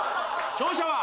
勝者は。